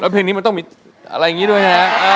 เพลงนี้ได้ไหม